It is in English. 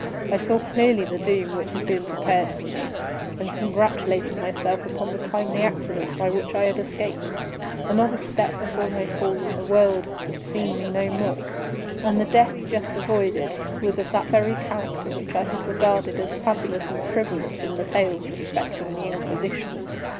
I saw clearly the doom which had been prepared for me, and congratulated myself upon the timely accident by which I had escaped. Another step before my fall, and the world had seen me no more. And the death just avoided, was of that very character which I had regarded as fabulous and frivolous in the tales respecting the Inquisition.